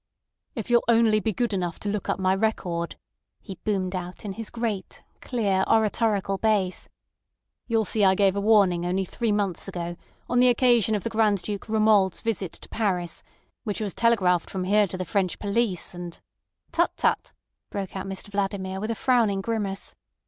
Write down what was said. "If you'll only be good enough to look up my record," he boomed out in his great, clear oratorical bass, "you'll see I gave a warning only three months ago, on the occasion of the Grand Duke Romuald's visit to Paris, which was telegraphed from here to the French police, and—" "Tut, tut!" broke out Mr Vladimir, with a frowning grimace.